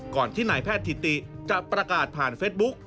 ที่นายแพทย์ถิติจะประกาศผ่านเฟซบุ๊ก